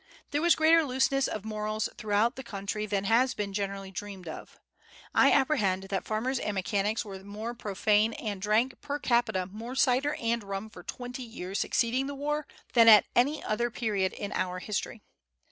There was greater looseness of morals throughout the country than has been generally dreamed of. I apprehend that farmers and mechanics were more profane, and drank, per capita, more cider and rum for twenty years succeeding the war than at any other period in our history.